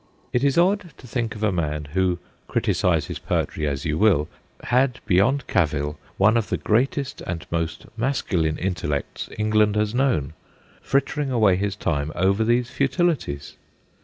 It is odd to think of a man who criti cise his poetry as you will had beyond cavil one of the greatest and most masculine intellects England has known, frittering away his time over these futilities.